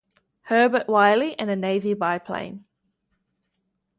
Herbert Wiley, and a Navy biplane.